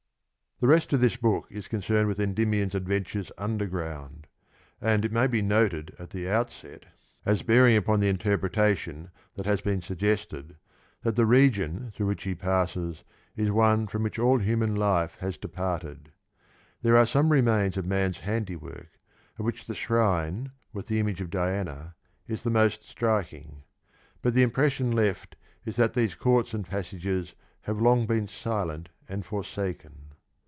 Thc TCSt of this book is concerned with Endymion's adventures underground, and it may be noted at the outset, as bearing upon the interpretation that has been 1 Sleep and Poetry, 1. 96. 34 suggested, that the region through which he passes is one from which all human life has departed; there are some remains of man's handiwork, of which the shrine with the image of Diana is the most striking; but the impression left is that these courts and passages have long been silent and forsaken.